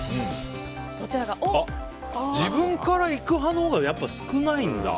自分から行く派のほうが少ないんだ。